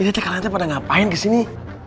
ini kita kali ini pada ngapain kesini